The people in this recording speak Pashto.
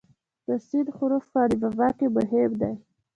د "س" حرف په الفبا کې مهم دی.